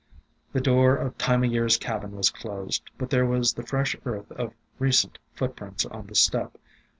The door of Time o' Year's cabin was closed, but there was the fresh earth of recent footprints on the step.